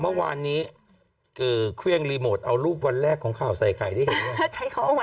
เมื่อวานนี้เครื่องรีโมทเอารูปวันแรกของข่าวใส่ไข่ได้เห็น